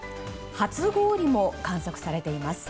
初氷も観測されています。